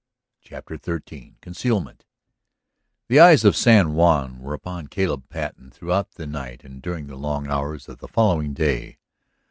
CHAPTER XIII CONCEALMENT The eyes of San Juan were upon Caleb Patten throughout the night and during the long hours of the following day.